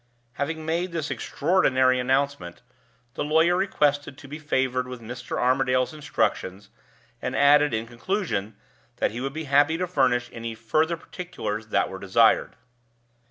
Having made this extraordinary announcement, the lawyer requested to be favored with Mr. Armadale's instructions, and added, in conclusion, that he would be happy to furnish any further particulars that were desired.